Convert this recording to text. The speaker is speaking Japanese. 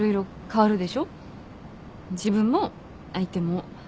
自分も相手も。